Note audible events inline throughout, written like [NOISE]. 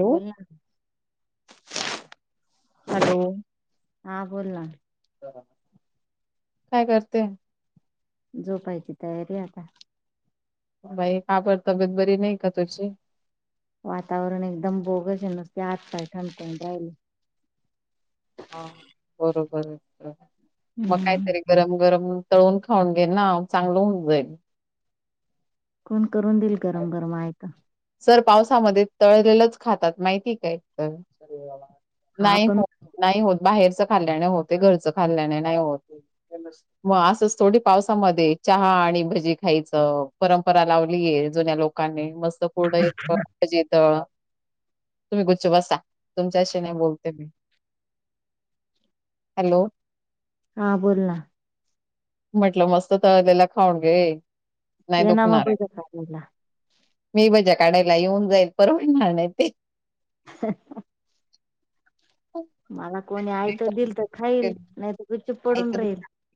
Hello बोलला hello हा बोलला काय करते? झोपायची तयारी आता, बाई काबड तब्येत बरी नाही का तुझची वातावरण एकदम बोगच नसते आतताय ंड द्यायला. ह बरोबर मग हम्म कायतरी गरम गरम तळून खाऊन घेईन ना चांगलं होऊन जाईल. कोण करून देईल गरम गरम आहे का सर पावसामध्ये तळलेलंच खातात माहिती काय तर हा नाही, पण नाही होत बाहेरचं खाल्ल्याने होते घरचं खाल्ल्याने नाही होत मग असंच थोडी पावसामध्ये चहा आणि भजी खायचं परंपरा लावलीयल जुन्या लोकांनी मस्त पुढ एक जीत तुम्ही गुच्च बसा तुमच्याशी नाही बोलते मी. हॅलो हा बोल ना. म्हटलं मस्त तळलेला खाऊन घे. नाही ये नामा दुखणार आहे बज काला. मी बज्या काढायला येऊन जाईल परवडणार नाही ते. ह हा मला कोणी आयत दिल तर खाईल खायचं नाहीत [INAUDIBLE]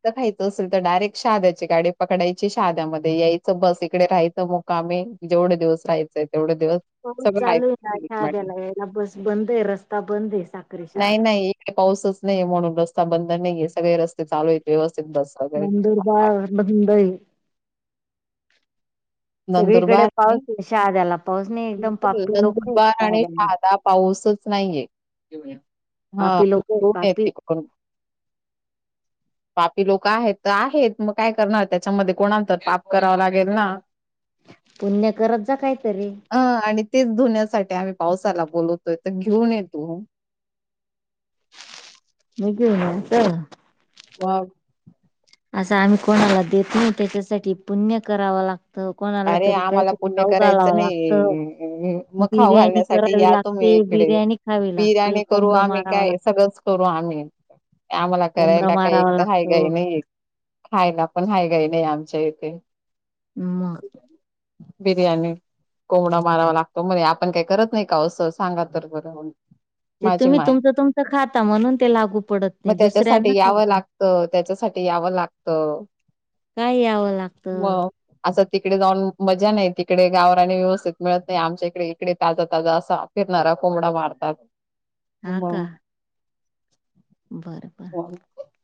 खायचं असेल तर डायरेक्ट शाद्याची गाडी पकडायची शाद्यामध्ये यायचं बस इकडे राहायचं मुक्कामी. जेवढे दिवस राहायचंय तेवढ दिवस हो चालू आहे ना शाहाद्याला याला बस बंद आहे रस्ता बंद आहे साखरी शहा नाही आदा. नाही पाऊसच नाही म्हणून रस्ता बंद नाहीये सगळे रस्ते चालू आहेत व्यवस्थित बस. वगैरे नंदुरबार [UNINTELLIGIBLE] सगळीकडे नंदुरबार आणि पाऊस आहे शहाद्याला पाऊस नाही एकदम बिलकुल पापी लोक आहे नंदुरबार आणि शहाद्याला. शहादा पाऊसच नाहीये हा पापी लोक आहेत पापी [UNINTELLIGIBLE] [INAUDIBLE] पापी लोक आहेत तर आहेत मग काय करणार त्याच्यामध्ये कोणात पाप करावं लागेल ना. पुण्य करत जा काहीतरी. ह आणि तेच धुण्यासाठी आम्ही पावसाला बोलवतोय तर घेऊन येतो. म घेऊ नाता. हा. असं आम्ही कोणाला देतो नाही त्याच्यासाठी पुण्य करावा लाग अरे आम्हाला पुण्य करायचं नाही लागतं म खाव बिर्याणी घालण्यास करावी या तुम्ही लागते इकडे बिर्याणी खावी लागते बिर्याणी करू कोंबडं आम्ही मारावा लाग काय सगळंच करू आम्ही. आम्हाला कोंबडं करायला काही एक मारावा तर हैगई काही लागतो नाही. खायला पण हाय काही नाही आमच्या इथे. मग बिरयाणी. कोंबडा मारावा लागतो म्हण आपण काही करत नाही का असं सांगा तर बरं. ते माझी तुम्ही माय तुमचं तुमचं खाता म्हणून ते लागू पडत नाही दुसऱ्यांना खाऊ तर त्याच्यासाठी यावं लागत. काय यावं लागत. असं तिकडे जाऊन मजा नाही तिकडे गावरा आणि व्यवस्थित मिळत नाही आमच्या इकडे इकडे ताजा ताजा असा फिरणारा कोंबडा मारतात. हा का बरं बर मग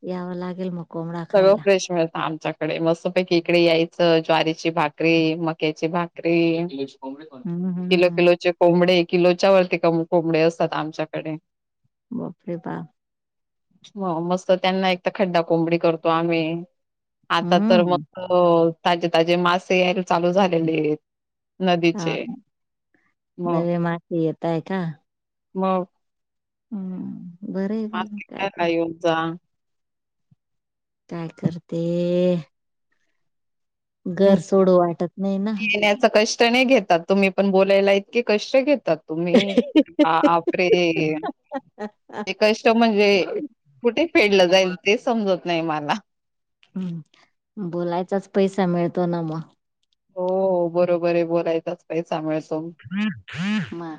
यावं लागेल मग. कोंबडा सगळं खायला फ्रेश मिळतं आमच्या इकडे मस्त पैकी इकडे यायचं ज्वारीची भाकरी मक्याची भाकरी. हम्म किलो हम्म किलोचे कोंबडे किलोच्या वरती क कोंबडे असतात आमच्याकडे. बापरे बाप. हो मस्त त्यांना एक तर खड्डा कोंबडी करतो आम्ही. आता तर हम्म मग तजे ताजे मासे यायला चालू झालेलेत. हा मग नवी माती येतय का? मग हम्म बरय बाई मग काय मार्केटला तर. येऊन जा काय करते? घर सोडू वाटत नाही ना येेण्याचा कष्ट नाही घेतात तुम्ही पण बोलायला इतके कष्ट घेतात. तुम्ही आपरे ते कष्ट म्हणजे कुठे फेडलं जाईल ते समजत नाही मला हम् बोलायचाच पैसा मिळतो ना मग हो बरोबर आहे बोलायचाच काही सांभळतो मग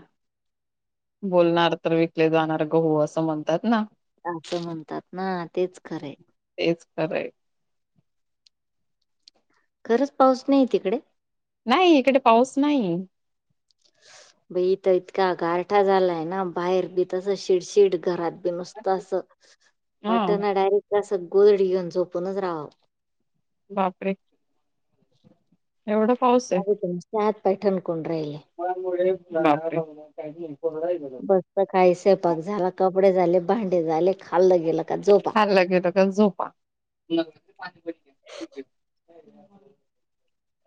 बोलणार तर विकले जाणार गहू असं म्हणतात ना असं म्हणतात ना तेच खरे तेच खराय खरंच पाऊस नाही तिकडे नाही इकडे पाऊस नाही ब इथं इतका गारठा झालाय ना बाहेर बी तसं शिडशिड घरात नुसत असं हा वाट ना डायरेक्ट असं गोदडी घेऊन झोपूनच राहावं बापरे? एवढा पाऊस आहे. माझे हात पाय ठणकून राहिले मुळे काही कोड आहे मस्त काही स्वयंपाक झाला कपडे झाले भांडे झाले खाल्लं गेलं का झोपा खाल्लं गेला तर झोपा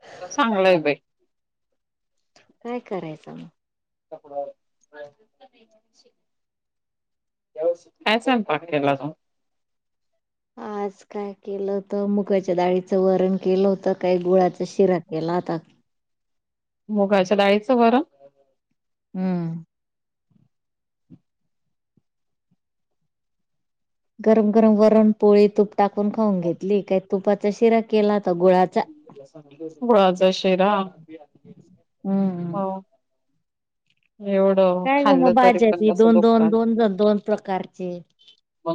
आता चांगलंय बाई काय करायचं मग काय स्वयंपाक केला होता आज काय केलं होत मुगाच्या डाळीचं वरण केलं होतं काय गुळाच्या शिरा गला त मुगाच्या डाळीचं वरण हम्म. गरम गरम वरून पोळी तूप टाकून खाऊन घेतली काही तुपाचा शिरा केला होता गुळाचा गुळाचा शिरा हम्म हो एवढं काय ग मग खाल्लं तरी पण भाज्या कसं दोन दोन दुखतात. दोन ज दोन प्रकारचे म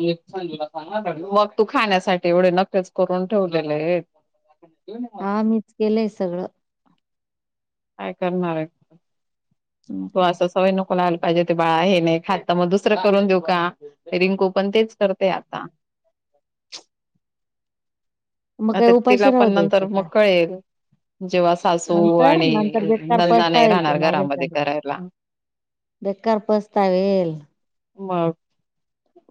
मग तू खाण्यासाठी एवढे नक्कीच करून ठेवलेले आहेत आप हा मीच केलंय सगळं काय करणार आहे मग काय तो सवय नको लाहायला पाहिजे ते बाळा हे नाही खातात मग दुसरं करून देऊ का रिंकू पण तेच करते आता मग काय आता तिला उपाशी पण राहू नंतर द्यायचं मग का? कळेल जेव्हा सासू नंतर आणि नंतर बेकार नंणदा नाही पस्तावेल ते राहणार घरामध्ये माझ्यासंग. करायला बेकार पस्तावेल मग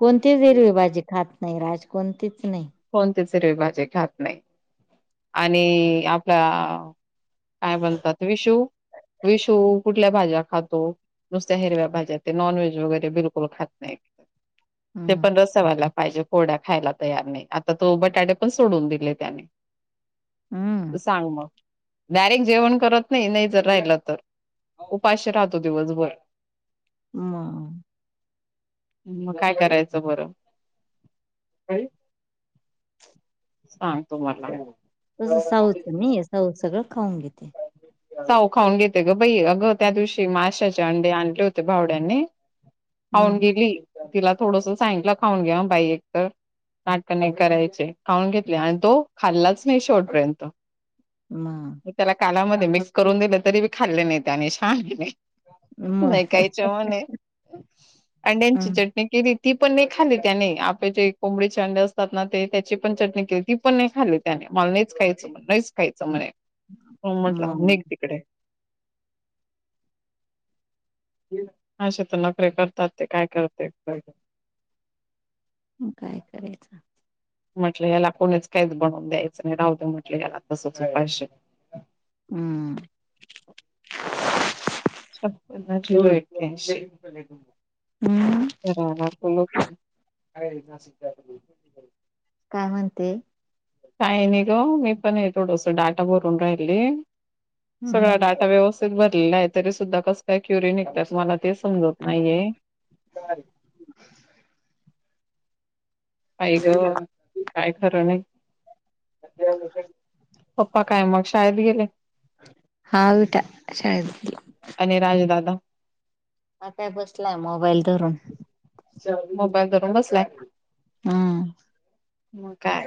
कोणतीच हिरवी भाजी खात नाही राज कोणतीच नाही कोणती हिरवी भाजी खात नाही आणि आपला काय बणतात विशू विशू कुठल्या भाज्या खातो नुसत्या हिरव्या भाज्या ते नॉनव्हेज वगैरे बिलकुल खात नाही ते हम्म पण रस्त व्हायला पाहिजे पोड्या खायला तयार नाही आता तो बटाडे पण सोडून दिले त्याने हम्म सांग मग डायरेक्ट जेवण करत नाही नाही जर राहिलं तर उपाशी राहतो दिवसभर म मग काय करायचं बरं सांग तुम्हाला तसं साऊच नाही साऊथ सगळं खाऊन घेते साऊ खाऊन घेते ग बाई, अगं त्या दिवशी माशाचे अंडे आणले होते भावड्याने खाऊन हम्म गेली. तिला थोडंसं सांगितलं खाऊन घ्या बाई एक तर नाटक नाही करायचे, खाऊन घेतले आणि तो खाल्लाच नाही शेवटपर्यंत मग त्याला कालामध्ये मिक्स करून दिले तरी बी खाल्ले नाहीत आणि शाहाण्याने मग नाही काही चवण आहे. अंड्यांची हम्म चट्टणी केली ती पण नाही खाल्ली त्याने आपले जे कोंबडीचे अंडे असतात, ना ते त्याची पण चटणी केली ती पण नाही खाल्ली. त्याने मला नाहीच खायचं म्हणे, नाहीच खायचं म्हणे, म्हटलं मग निघ तिकडे. अशे तर नखरे करतात, ते काय करते. म काय करायचं. म्हटलं याला कोणीच काहीच बनवून द्यायचं नाही. राहू दे म्हटलं याला तसंच उपाशी. हम्म. हम्म [UNINTELLIGIBLE] लोकय काय [UNINTELLIGIBLE] काय म्हणते? काही नाही ग मी पण आहे थोडस डाटा भरून राहीले सगळं हम्म डाटा व्यवस्थित भरलेलं आहे तरी सुद्धा कसं काय क्युरी निघतात मला ते समजत नाहीये आई ग काय खरं नाही. पप्पा काय मग शाळेत गेले? हा विट शाळ [INAUDIBLE] आणि राजदादा? आताय बसलाय मोबाईल धरून. मोबाईल धरून बसलाय. हम्म. म काय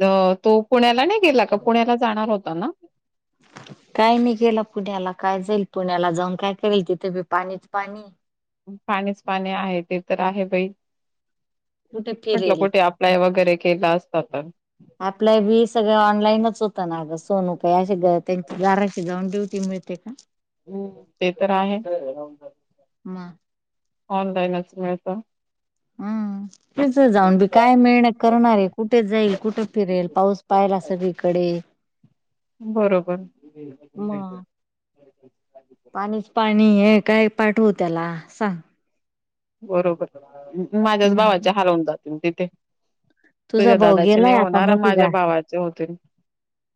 द तो पुण्याला नाही गेला का? पुण्याला जाणार होता ना? काय नाही केलं पुण्याला काय जाईल पुण्याला जाऊन काय करेल, तिथे बी पाणीच पाणी पाणीच पाणी आहे ते तर आहे बाई कुठे म्हटलं फिरेल कुठे अप्लाय वगैरे केला असतं तर अप्लाय बी सगळं ऑनलाईनच होतं ना ग सोनू अशी त्यांची गाराशी जाऊन ड्युटी मिळते का? हो ते तर आहे. मग ऑनलाईनच मिळतं. हम्म तेच जाऊन बी काय मेहनत करणारे कुठे, जाईल कुठे फिरेल? पाऊस पाहिला सगळीकडे बरोबर मग पाणीच पाणी हे, काय पाठव त्याला सांग? बरोबर माझ्याच मग भावाच्या हलवून जातील तिथे. तुझा तुझ्या भाऊ दादाचे नाही गेलाय आता होणार मोठी माझ्या गा भावाचे होतील.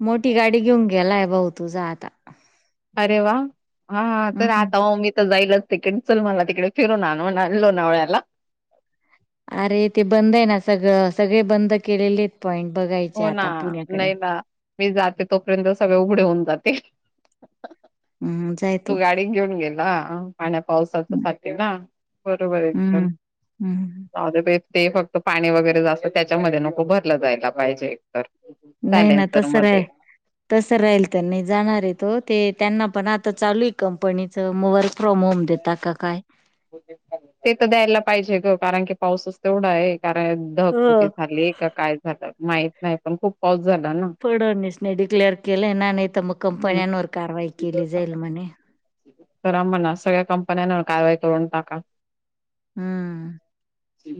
मोठी गाडी घेऊन गेलाय भाऊ तुझा आता. अरे वा हा तर हम्म आता हो मी तर जाईलच. तिकडं चल म्हणला, मला तिकडे फिरून आण आणलो लोणावळ्याला अरे ते बंद आहे ना सगळं सगळे बंद केलेले आहेत पॉईंट बघायचे हो ना आता पुण्याकडे नाही ना मी जाते तोपर्यंत सगळे उघडे होऊन जाते. हम्म जाय. तू गाडी घेऊन गेला पाण्या पावसाच्या हम्म कश्याला? बरोबर तूज. हम्म हम्म [INAUDIBLE] फक्त पाणी वगैरे जास्तं त्याच्यामध्ये नको भरलं जायला पाहिजे नाही ना सायलेन्सर तसं नाय. मध्ये तसं राहिल तर नाही जाणार आहे तो ते त्यांना पण आता चालू आहे कंपनीच म वर्क फ्रॉम होम देतो ता का काय? ते तर द्यायला पाहिजे ग कारण की पाऊसच तेवढा आहे कारय हो धगफुटी झाली का काय झालं माहीत नाही पण खूप पाऊस झाला ना पडवणीस नाही डिक्लेअर केलं ना नाही तर मग हम्म कंपन्यांवर कारवाई केली जाईल म्हणे करा म्हणा सगळ्या कंपन्यांवर कारवाई करून टाका हा ति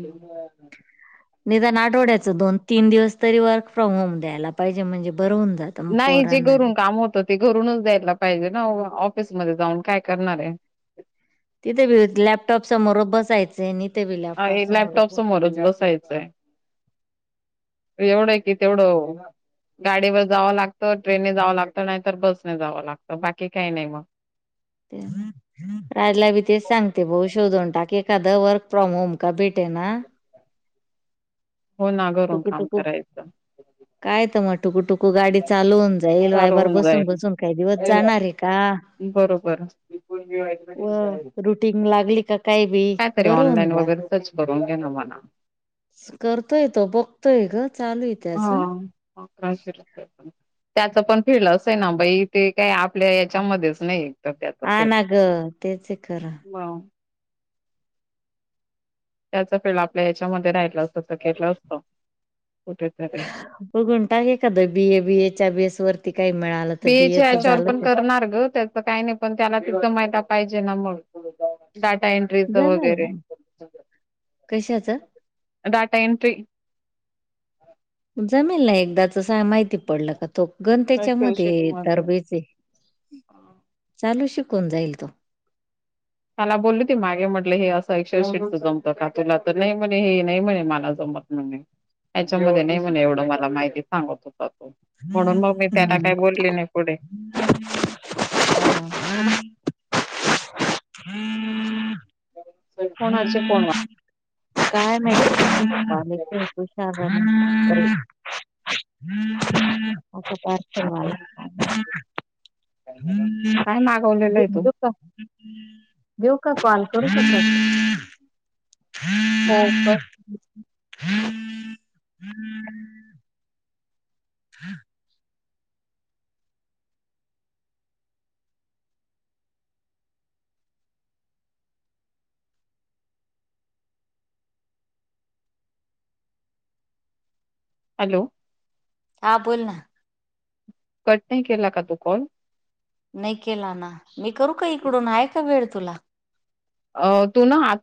निदान आठवड्याचं दोन तीन दिवस तरी वर्क फ्रॉम होम द्यायला पाहिजे म्हणजे बरं होन जात. नाही जे घरून काम होत ते घरूनच द्यायला पाहिजे ना ऑफिसमध्येध्ये जाऊन काय करणार आहे तिथे भि लॅपटॉप समोर बसायचं नि अ लॅपटॉप समोरच बसायचं आहे एवढं आहे की तेवढं गाडीवर जावं लागतं ट्रेनने जावं लागतं नाहीतर बसने जावं लागतं बाकी काही नाही मग ते ह राजला बी तेच सांगते भाऊ शोधून टाकी एखादा वर्क फ्रॉम होम का भेटे ना हो ना घरून टुकू काम टुकू करायचं काय तर मग टुकू टुकू गाडी चालवून जाईल सारं वायबार होऊन बसून जाईल बसून काही दिवस जाणार आहे का बरोबर व काय रुटीन लागली का काही बी तरी बरं होऊन ऑनलाईन वगैरे सच भरून घे ना म्हणा करतो तो बघतोय ग चालू आहे हा त्याच हा त्याच पण फिड अस आहे ना बाई ते काय आपल्या याच्यामध्येच नाही तर त्याच ह ना ग तेच आहे खरं ब त्याच फिळ आपल्या ह्याच्यामध्ये राहिलं असतं तर केलं असत कुठेतरी बघंटाे काद बी ए बी ए च्या बी एस वरती त काही मिळालं तर बीए बीएच याच्यावर झालं पण ते करणार ग त्याचं काही नाही पण त्याला तिं माहिला पाहिजे ना मग डाटा एंट्रीच वगैरे कशचं डाटा एंट्री जमेल ना एकदाचस माहिती पडलं का तो गन एक्सेल त्याच्यामध्ये शीट मध्ये. तरबेज चालू शिकून जाईल तो त्याला बोलली ते मागे म्हटलं हे असं एकशेशीटच जमतं का तुला तर नाही म्हणे हे नाही म्हणे मला जमत म्ह त्याच्यामध्ये नाही म्हणे एवढं मला माहिती सांगत होता तो म्हणून मग मी त्याला काही हम्म बोलले नाही पुढे हम् कोणाचे कोण वा काय [UNINTELLIGIBLE] [INAUDIBLE] हम्म काय [UNINTELLIGIBLE] मागवलेलं आहे तू देऊ का कॉल करू शक हा हो का [INAUDIBLE] हा हॅलो हा बोल ना कट नाही केला का तू कॉल नाही केला ना मी करू का इकडून आहे का वेळ तुला अ तू ना आ